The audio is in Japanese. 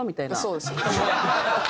そうです。